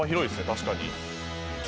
確かに。